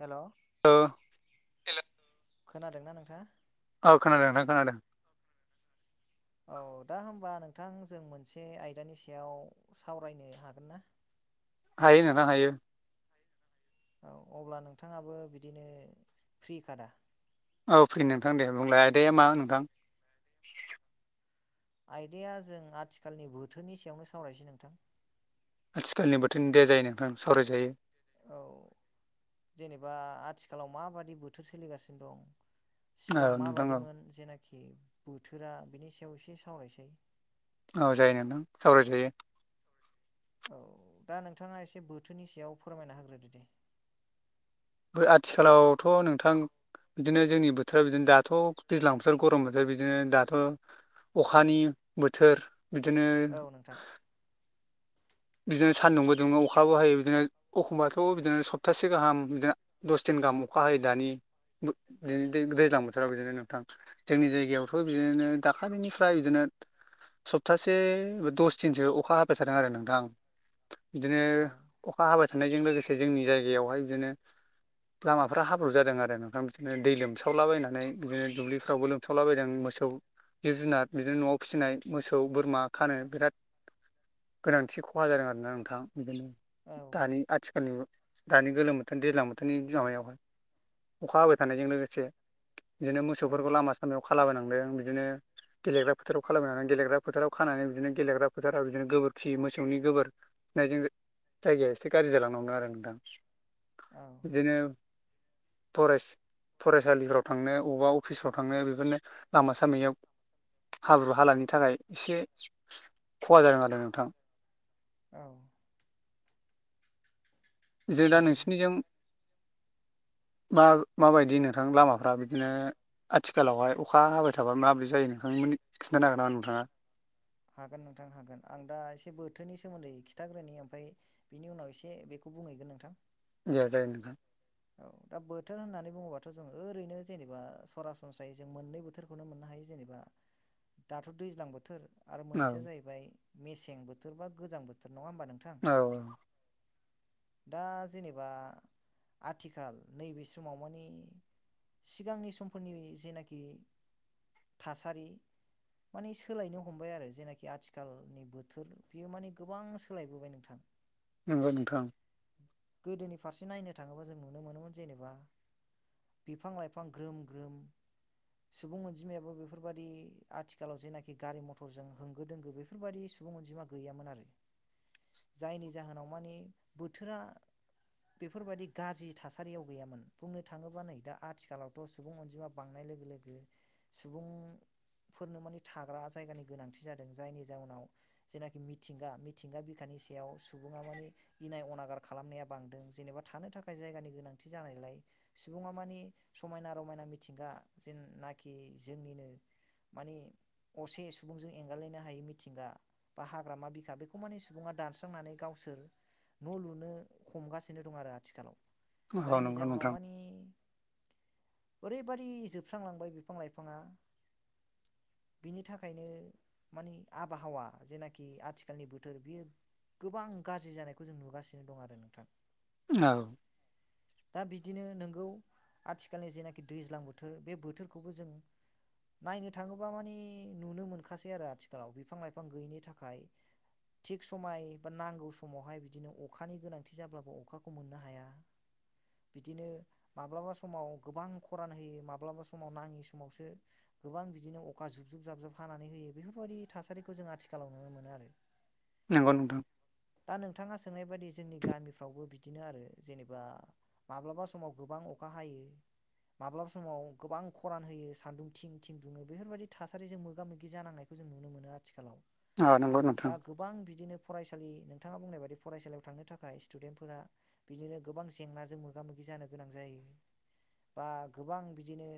हेल' ओ हेल'खोनादोंना नोंथाङा? औ खोनादों नोंथां खोनादों। औ दा होमबा नोंथां जों मोनसे आयदानि सायाव सावरायनो हागोन ना? हायो नोंथां हायो। औ अब्ला नोंथांङाबो बिदिनो फ्रि खादा? औ फ्रि नोंथां, दे बुंलाय आदाया मा नोंथां? आयदाया जों आथिखालनि बोथोरनि सायावनो सावरायसै नोंथां। आथिखालनि बोथोरनि दे जायो नोंथां सावरायजायो। औ जेनेबा आथिखालाव माबादि बोथोर सोलिगासिनो दं औ सिगां नोंथां औ माबादिमोन जेनाखि बोथोरा बिनि सायाव एसे सावराय नोसै। औ जायो नोंथां सावरायजायो। औ दा नोंथांङा एसे बोथोरनि सायाव फोरमायना होग्रोदो दे। आथिखालावथ नोंथां। बिदिनो जोंनि बोथोराव बिदिनो दाथ दैज्लां बोथोर गरम बोथोर बिदिनो दाथ अखानि बोथोर बिदिनो औ नोंथां। बिदिनो सान्दुंबो दुंङो अखाबो हायो बिदिनो एखमबाथ बिदिनो सप्तासे गाहाम बिदिनो दस दिन गाहाम अखा हायो दानि दैज्लां बोथोराव बिदिनो नोंथां जोंनि जायगायावथ बिदिनो दाखालिनिफ्राय बिदिनो सप्तासे दस दिनसो अखा हाबाय थादों आरो नोंथांं। बिदिनो औ अखा हाबाय थानायजों लोगोसे जोंनि जायगायावहाय बिदिनो लामाफ्रा हाब्रु जादों आरो नोंथां बिदिनो दै लोमसावलाबायनानै बिदिनो दुब्लिफ्रावबो लोमसावलाबायदों मोसौ जिब-जुनार बिदिनो नआव फिसिनाय मोसौ, बोरमा खानो बिराद गोनांथि खहा जादों आरोना नोंथां बिदिनो औ दानि आथिखालनि दानि गोलोम बोथोर दैज्लां बोथोरनि बिमाहायावहाय अखा हाबाय थानायजों लोगोसे बिदिनो औ मोसौफोरखौ लामा सामायाव खाबोनांदों बिदिनो गेलेग्रा फोथाराव खालामायनानै गेलेग्रा फोथाराव खानानै बिदिनो गेलेग्रा फोथाराव बिदिनो गोबोरखि मो सौनि गोबोर फिनायजों जायगाया एसे गाज्रि जालांनांदों आरो नोंथां। औ बिदिनो फरेस्ट फरायसालिफ्राव थांनो अबावबा अफिसफ्राव थांनो बेफोरनो लामा सामायाव हाब्रु हालानि थाखाय एसे खहा जादों आरो नोंथां। औ जेब्ला नंगौ नोंसिनिजों [inaudible] मा माबायदि नोंथां लामाफ्रा बिदिनो आथिखालावहाय अखा हाबाय थाबाय माबोरै जायो नोंथांमोननि खिन्थानो हागोन नामा नोंथांङा। हागोन नोंथां हागोन आं दा एसे बोथोरनि सोमोन्दै खिथाग्रोनि ओमफ्राय बिनि उनाव एसे बेखौ बुंहैगोन नोंथां। दे जायो नोंथां औ दा बोथोर होननानै बुङोबाथ जों ओरैनो जेनेबा सरासनस्रायै जों मोननै बोथोर बेखौनो मोननो हायो जेनेबा दाथ दैज्लां बोथोर आरो औ मोनसेया जाहैबाय मेसें बोथोर बा गोजां बोथोर नङा होमबा नों थां औ दा जेनबा आथिखाल नैबे समाव माने सिगांनि समफोरनि जेनाखि थासारि माने सोलायनो हमबाय आरो जेनाखि आथिखालनि बोथोर बेयो माने गोबां सोलायबोबाय नोंथां। [inaudible] नंगौ नोंथां। गोदोनि फारसे नायनो थाङोबा जों नुनो मोनोमोन जेनेबा बिफां-लाइफां ग्रोम ग्रोम सुबुं अनजिमायाबो बेफोरबादि आथिखालाव जेनाखि गारि मथरजों होंगो दोंगो बे फोरबायादि सुबुं अनजिमा गैयामोन आरो जायनि जाहोनाव मानि बोथोरा बेफोरबायदि गाज्रि थासारियाव गैयामोन बुंनो थाङोबा नै दा आथिखालावथ' सुबुं बांनाय लोगो लोगो सुबुंफोरनो माने थाग्रा जायगानि गोनांथि जादों जायनि जाउनाव जेनाखि मिथिंगा मिथिंगा बिखानि सायाव सुबुङा मानि इनाय अनागार खालामनाया बांदों जेनेबा थानो थाखाय जायगानि गोनांथि जानायलाय सुबुङा मानि समायना रमायना मिथिंगा जेननाखि जोंनिनो माने असे सुबुंजों एंगारलायनो हायै मिथिंगा बा हाग्रामा बिखा बेखौ माने सुबुङा दानस्रांनानै गावसोर न' लुनो हमगासिनो दं आरो आथिखालाव औ जायनि नंगौ जााहोनाव नोंथां मानि ओरैबायदि जोबस्रांलांबाय बिफां लाइफाङा। बिनि थाखायनो। मानि आबहावा जेनाखि आथिखालनि बोथोर बियो। गोबां गाज्रि जानायखौ जों नुगासिनो दं आरो नोंथां। औ। दा बिदिनो नोंगौ आथिखालनि जेनाखि दैज्लां बोथोर बे बोथोरखौबो जों। नायनो थाङोब्ला मानि नुनो मोनखासै आरो आथिखालाव बिफां लाइफां गैयिनि थाखाय। थिग समाय बा नांगौ समावहाय बिदिनो अखानि गोनांथि जाब्लाबो अखाखौ मोननो हाया। बिदिनो माब्लाबा समाव गोबां खरान होयो माब्लाबा समाव नाङि समावसो। गोबां बिदिनो अखा जुब जुब जाबजुब हानानै होयो बेफोरबायदि थासारिखौ जों आथिखालाव नुनो मोनो आरो। [unintelligible] नंगौ नोंथां। दा नोंथाङा सोंनाय बायदि जोंनि गामिफ्रावबो बिदिनो आरो। जेनेबा माब्लाबा समाव गोबां अखा हायो। माब्लाबा समाव गोबां खरान होयो सान्दुं थं थिंदुङो बेफोरबायदि थासारिजों मोगा मोगि जानांनाय। बेखौ जों नुनो मोनो आथिखालाव। अ नंगौ दा नोंथां। गोबां बिदिनो फरायसालि नोंथाङा बुंनाय बादि फरायसालियाव थांनो थाखाय स्टुडेन्टफोरा। बिदिनो गोबां जेंनाजों मोगि जानो गोनां जायो बा गोबां बिदिनो।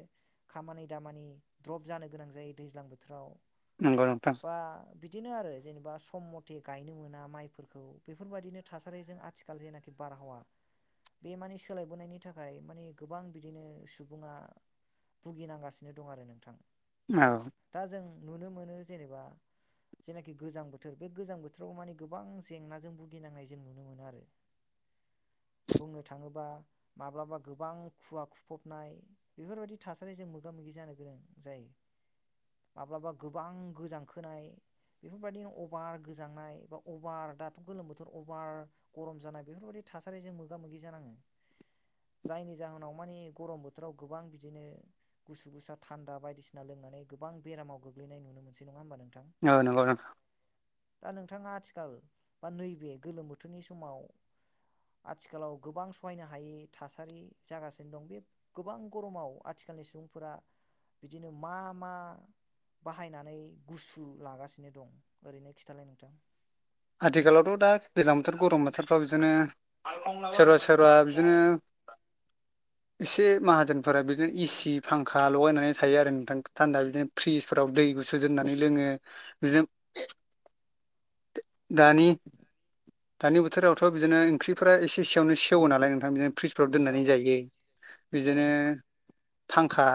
खामानि दामानि द्रप जानो गोनां जायो दैज्लां बोथोराव। नंगौ नोंथां। बा बिदिनो आरो जेनेबा सम मथे गायनो मोना माइफोरखौ बेफोरबायदिनो थासारिजों आथिखाल। जे नाखि बार हावा बे मानि सोलायबोनायनि थाखाय मानि गोबां बिदिनो सुबुङा। भुगिनांगासिनो दं आरो नोंथां। औ। दा जों नुनो मोनो जेनेबा। जेनाखि गोजां बोथोर बे गोजां बोथोराव माने गोबां जेंनाजों भुगिनांनाय जों नुनो मोनो आरो। बुंनो थाङोबा माब्लाबा गोबां खुवा खुफबनाय। बेफोरबायदि थासारिजों मोगा मोगि जानो गोनां जायो। माब्लाबा गोबां गोजांखोनाय। बेफोरबायदिनो अभार गोजांनाय बा अभार दाथ' गोलोम बोथोर अभार। बेफोरबायदि थासारिजों मोगा मोगि जानाङो। जायनि जाहोनाव माने गरम बोथोराव गोबां बिदिनो। गुसु गुसा थान्दा बायदिसिना लोंनानै गोबां बेरामाव गोग्लैनाय नुनो मोनसै नङा होमबा नोंथां। औ नंगौ नोंथां। दा नोंथाङा आथिखाल बा नैबे गोलोम बोथोरनि समाव आथिखालाव गोबां सहायनो हायै थासारि जागासिनो दं बे गोबां गरमाव आथिखालनि सुबुंफोरा बिदिनो मा मा। बाहायनानै गुसु लागासिनो दं ओरैनो खिथालाय नोंथां। आथिखालावथ' दा गोजां बोथोर गरम बोथोरफ्राव बिदिनो सोरबा सोरबा बिदिनो [inaudible] एसे माहाजोनफोरा बिदिनो एसि फांखा लगायनानै थायो आरो नोंथां थान्दा बिदिनो फ्रिजफोराव दै गुसु दोननानै लोङो बिदिनो दानि दानि बोथोरावथ' बिदिनो ओंख्रिफोरा एसे एसेयावनो सेवो नालाय नोंथां बिदि फ्रिज फ्राव औ दोननानै जायो औ बिदिनो फांखा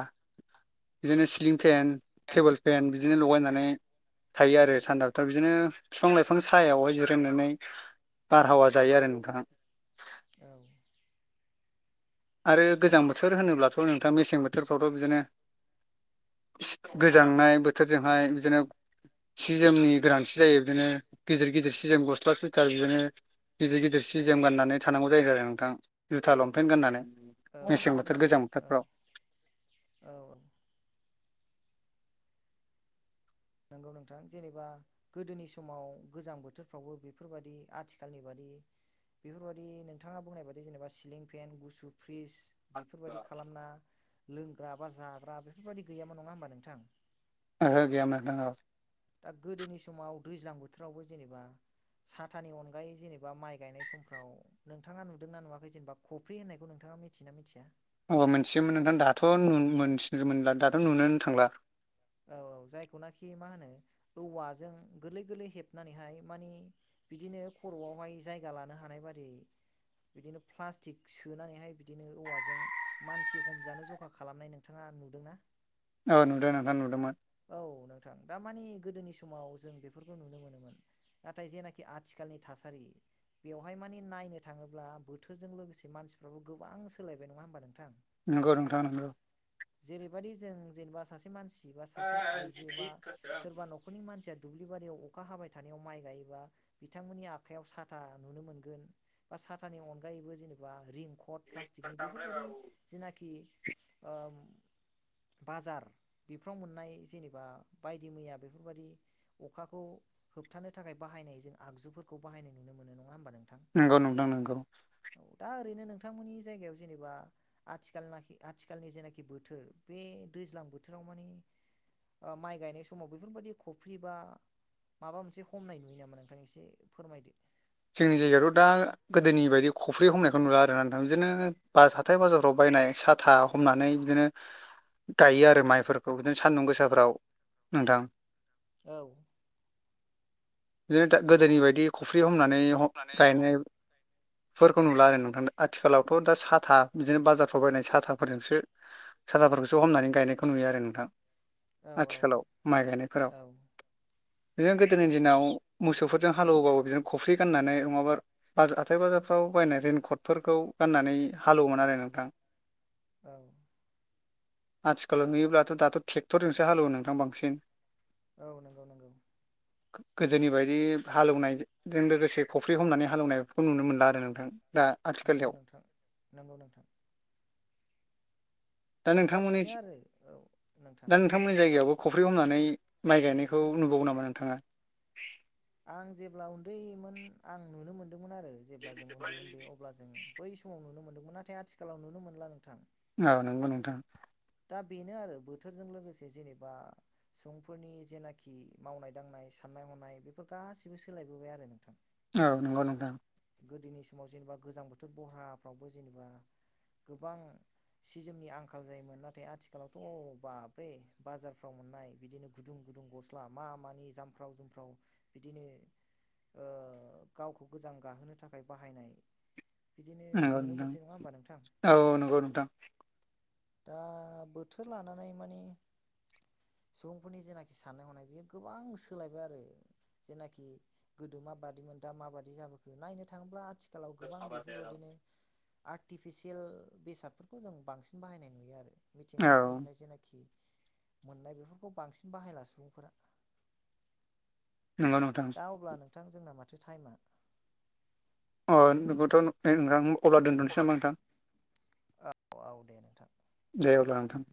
बिदिनो सिलिं फेन टेबोल फेन औ बिदिनो लगायनानै थायो आरो थानदा बोथोराव बिदिनो फिफां लाइफां सायावहाय जिरायनानै बारहावा जायो आरो नोंथां औ आरो गोजां बोथोर होनोब्लाथ' नोंथां मेसें बोथोरफ्रावथ' बिदिनो गोजांनाय बोथोरजोंहाय बिदिनो सि जोमनि गोनांथि जायो बिदिनो गिदिर गिदिर सिजोम गस्ला सुइथार बिदिनो गिदिर गिदिर सि जोम गाननानै थानांगौ जायो आरो नोंथां जुथा लंपेन्ट गाननानै। मेसें औ बोथोर गोजां औ बोथोरफ्राव औ औ औ नंगौ नोंथां जेनेबा। गोदोनि समाव गोजां बोथोरफ्रावबो बेफोरबायदि आथिखालनि बादि बेफोरबायदि नोंथाङा बुंनाय बायदि जेनेबा सिलिं फेन गुसु फ्रिज बेफोरबादि खालामना लोंग्रा बा जाग्रा बेफोरबायदि गैयामोन नङा ओमबा नोंथां? ओहो गैयामोन औ दा गोदोनि समाव दैज्लां बोथोरावबो जेनेबा साथानि अनगायै जेनेबा माइ गायनाय समफ्राव नोंथाङा नुदोंना नुवाखै जेनेबा खफ्रि होननायखौ नोंथाङा मिथियोना मिथिया? अ मिथिमोन नोंथां दाथ' नु मोनथिनो मोनला दाथ' नुनोनो थांला। औ औ जायखौनाखि मा होनो औवाजों गोलै गोलै हेबनानैहाय माने बिदिनो खर'आवहाय जायगा लानो हानाय बादि बिदिनो प्लास्टिक सोनानैहाय बिदिनो औवाजों मानसि हमजानो जखा खालामनाय नोंथाङा नुदोंना? अ नुदो नोंथां नुदोमोन। औ नोंथां दा मानि गोदोनि समाव जों बेफोरखौ नुनो मोनोमोन। नाथाय जेनाखि आथिखालनि थासारि। बेवहाय माने नायनो थाङोब्ला बोथोरजों लोगोसे मानसिफ्राबो गोबां सोलायबाय नङा होमबा नोंथां? नंगौ नोंथां नंगौ जेरैबायदि जों जेनेबा सासे मानसि बा सासे आइजो बा सोरबा न खरनि मानसिया दुब्लिबारियाव अखा हाबाय थानायाव माइ गायोबा बिथांमोननि आखाइयाव साथा नुनो मोनगोन बा साथानि अनगायैबो जेनेबा रिं हट प्लास्टिकनि बेफोरबायदि जिनाखि ओ बाजार बेफ्राव मोननाय जेनेबा बायदि मैया बेफोरबायदि अखाखौ होबथानो थाखाय बाहायनाय जों आगजुफोरखौ बाहायनाय नुनो मोनो नङा होमबा नोंथां? नंगौ नोंथां नंगौ। ओ दा ओरैनो नोंथां मोननि जायगायाव जेनेबा आथिखालनाखि आथिखालनि जेनाखि बोथोर बे दैज्लां बोथोराव माने ओ माइ समाव बेफोर बायदि खफ्रि बा। माबा मोनसे हमनाय नुयो नामा नोंथां एसे फोरमायदो। जोंनि जायगायावाथ' दा गोदोनि बायदि खफ्रि हमनायखौ नुला आरो नोंथां बिदिनो बा हाथाय बाजारफ्राव बायनाय सा था हमनानै बिदिनो गायो आरो माइफोरखौ बिदिनो सान्दुं गोसाफ्राव नोंथां। औ। [inaudible] बिदिनो गोदोनि बायदि खफ्रि हमनानै गायनाय फोरखौ नुला आरो नोंथां आथिखालावथ' दा साथा बिदिनो बाजारफ्राव बायनाय साथाफोरजोंसो साथाफोरखौसो हमनानै गायनायखौ नुयो आरो नोंथां। औ आथिखालाव माइ गायनायफोराव। औ बिदिनो गोदोनि दिनाव मोसौफोरजों हालेवबाबो बिदिनो खफ्रि गाननानै नङाबा आरो हाथाय बाजारफ्राव बायनाय रेइनकटफोरखौ गाननानै हालेवोमोन आरो नोंथां। औ। आथिखालाव नुयोब्लाथ' दाथ' ट्रेक्टरजोंसो हालेवो नोंथां बांसिन। औ नोंगौ नोंगौ। गोदोनि बायदि हालौवनाय जों लोगोसे खफ्रि हमनानै हालेवनायखौ नुनो मोनला आरो नोंथां। दा नोंगौ आथिखालाव नोंथां नोंगौ नोंथां। दा बेनो आरो औ नोंथां। दा नोंथांमोननि जायगायावबो खफ्रि हमनानै माइ गायनायखौ नुबावो नामा नोंथाङा? आं जेब्ला उन्दैमोन आं नुनो मोन्दोंमोन आरो जेब्ला जों उन्दै उन्दै अब्ला जों बै समाव नुनो मोनदोंमोन नाथाय आथिखालाव नुनो मोनला नोंथां। औ नोंगौ नोंथां। दा बेनो आरो बोथोरजों लोगोसे जेनेबा सुबुंफोरनि जेनाखि मावनाय दांनाय साननाय हनाय बेफोर सोलायबोबाय आरो नोंथां। औ नोंगौ नोंथां। गोदोनि समाव जेनेबा गोजां बोथोर बरहाफ्रावबो जेनेबा गोबां सि जोमनि आंखाल जायोमोन ना थाय आथिखालावथ' बाबरे बाजारफ्राव मोननाय बिदिनो गुदुं गुदुं गस्ला मा मानि जाम्फ फ्राव जुमफ्राव बिदिनो ओ गावखौ गोजां गाहोनो थाखाय बाहायनाय। बिदिनो नंगौ नुनो नोंथां मोनसै नङा होमबा नोंथां? औ नंगौ नोंथां दा ओ बोथोर लानानै मानि सुबुंफोरनि जेनाखि साननाय हनाय बियो गोबां सोलायबाय आरो। जेनाखि गोदो माबादिमोन दा माबादि जाबोखो नायनो थाङोब्ला आथि खालाव गोबां बेफोरबायदिनो आर्टिफिसियेल बेसादफोरखौ जों बांसिन बाहायनाय नुयो आरो। औ मिथिंगानिफ्राय मोननाय जेनाखि मोननाय बेफोरखौ बांसिन बाहायला सुबुंफोरा नंगौ नोंथां [inaudible] दा अब्ला नों थां जोंना माथो टाइमा अ नोंगौथ' नोंथां अब्ला दोनथ'नोसै नामा नोंथां? औ औ दे नोंथां दे अब्ला नोंथां।